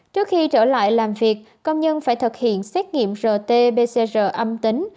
trước khi trở lại làm việc công nhân phải thực hiện xét nghiệm rt pcr âm tính